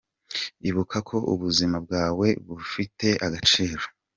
Ibuka ko ubuzima bwawe bufite agaciro:.